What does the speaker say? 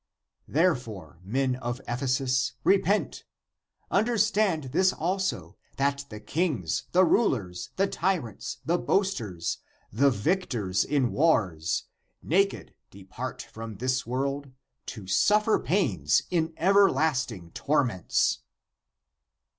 Therefore, men of Ephesus, re pent ; understand this also that the kings, the rulers, the tyrants, the boasters, the victors in wars, naked depart from this world, to suffer pains in everlast ing torments